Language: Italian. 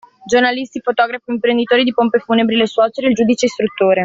Giornalisti, fotografi, imprenditori di pompe funebri, le suore, il giudice istruttore.